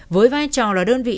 với vai trò là đơn vị